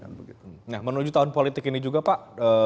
nah menuju tahun politik ini juga pak